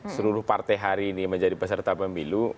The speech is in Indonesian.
seluruh partai hari ini menjadi peserta pemilu